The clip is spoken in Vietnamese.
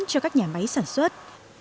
cho các nhà máy sản xuất